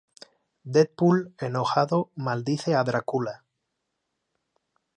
Deadpool enojado maldice a Dracula.